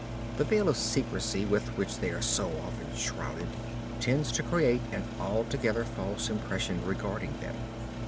The veil of secrecy with which they are so often shrouded tends to create an altogether false impression regarding them.